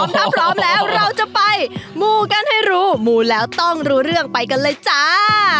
ถ้าพร้อมแล้วเราจะไปมูกันให้รู้มูแล้วต้องรู้เรื่องไปกันเลยจ้า